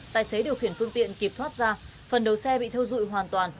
tài xế điều khiển phương tiện kịp thoát ra phần đầu xe bị thiêu dụi hoàn toàn